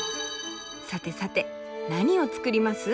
さてさて何を作ります？